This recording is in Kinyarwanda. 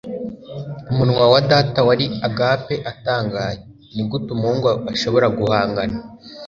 umunwa wa data wari agape atangaye. nigute umuhungu ashobora guhangana